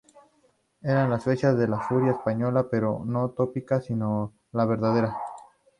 Eran las fechas de la furia española, pero no la tópica, sino la verdadera.